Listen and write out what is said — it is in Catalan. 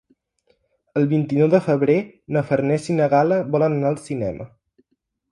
El vint-i-nou de febrer na Farners i na Gal·la volen anar al cinema.